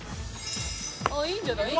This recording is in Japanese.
いいんじゃない？